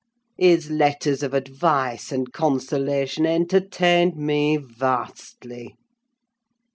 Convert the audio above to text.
His letters of advice and consolation entertained me vastly.